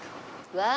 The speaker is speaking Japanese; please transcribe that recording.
わあ！